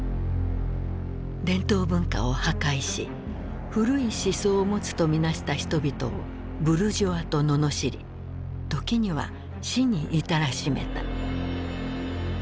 伝統文化を破壊し古い思想を持つとみなした人々をブルジョアと罵り時には死に至らしめた。